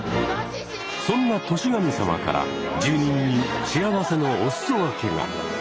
そんな年神様から住人に幸せのお裾分けが。